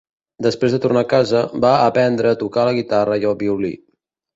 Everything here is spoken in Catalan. Després de tornar a casa, va aprendre a tocar la guitarra i el violí.